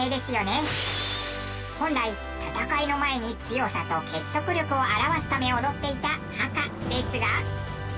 本来戦いの前に強さと結束力を現すため踊っていたハカですが。